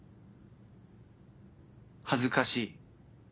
恥ずかしい。